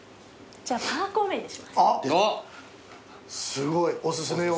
すごいお薦めを。